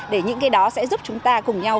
để những cái đó sẽ giúp chúng ta cùng nhau